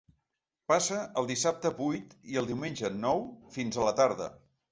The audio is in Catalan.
Passa el dissabte vuit i el diumenge nou, fins a la tarda.